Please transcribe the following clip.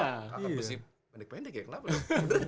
angkat besi pendek pendek ya kenapa ya